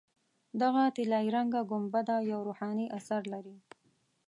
دغه طلایي رنګه ګنبده یو روحاني اثر لري.